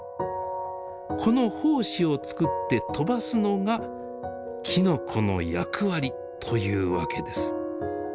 この胞子をつくって飛ばすのがきのこの役割というわけです。